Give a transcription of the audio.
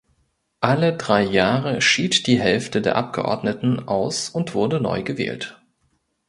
Alle drei Jahre schied die Hälfte der Abgeordneten aus und wurde neu gewählt.